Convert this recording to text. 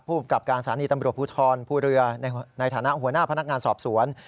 ภูมิกับการสถานีตำรวจภูทรภูเรือในฐานะหัวหน้าพนักงานสอบสวน